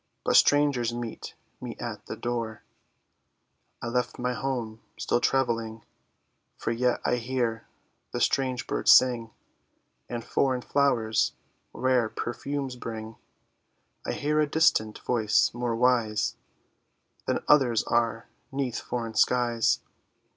But strangers meet me at the door. I left my home still travelling, For yet I hear the strange birds sing, And foreign flowers rare perfumes bring. I hear a distant voice, more wise Than others are 'neath foreign skies.